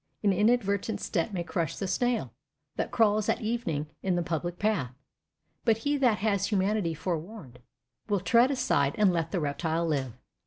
An inadvertent step may crush the snail That crawls at evening in the public path; But he that has humanity, forewarned, Will tread aside, and let the reptile live.